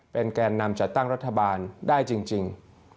แกนนำจัดตั้งรัฐบาลได้จริง